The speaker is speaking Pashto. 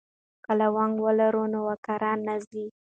که لونګۍ ولرو نو وقار نه ځي.